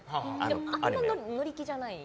でもあまり乗り気じゃない。